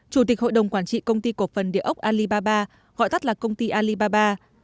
chủ tịch hội đồng quản trị công ty cổ phần địa ốc alibaba gọi tắt là công ty alibaba